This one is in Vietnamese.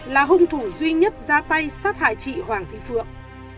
là hung thủ duy nhất ra tay sát hại chị hoàng thị phượng